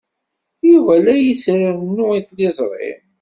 Yuba la as-irennu i tliẓri.